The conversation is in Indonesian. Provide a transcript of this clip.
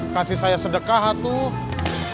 kasih saya sedekah atuh